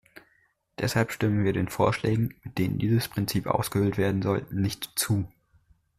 Deshalb stimmen wir den Vorschlägen, mit denen dieses Prinzip ausgehöhlt werden soll, nicht zu.